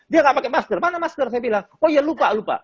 dia tidak pakai masker mana masker saya bilang oh ya lupa